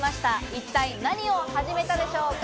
一体何を始めたでしょうか？